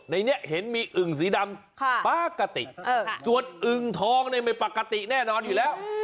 ในนี้เห็นมีอึ่งสีดำปกติส่วนอึงทองเนี่ยไม่ปกติแน่นอนอยู่แล้ว